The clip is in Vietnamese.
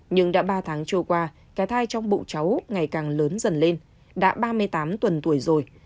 nhưng đã ba tháng trôi qua cái thai trong bụng cháu ngày càng lớn dần lên đã ba mươi tám tuần tuổi rồi